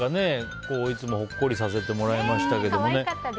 いつもほっこりさせてもらいましたけどね。